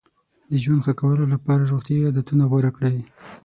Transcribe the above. د ژوند ښه کولو لپاره روغتیایي عادتونه غوره کړئ.